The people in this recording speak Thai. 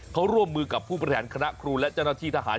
เขาร่วมมือกับผู้บริหารคณะครูและเจ้าหน้าที่ทหาร